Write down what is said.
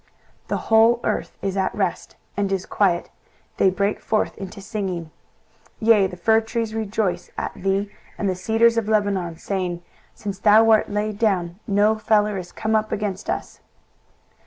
23:014:007 The whole earth is at rest, and is quiet: they break forth into singing. 23:014:008 Yea, the fir trees rejoice at thee, and the cedars of Lebanon, saying, Since thou art laid down, no feller is come up against us.